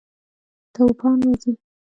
توپان راځي